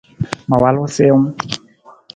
Ma walu siwung.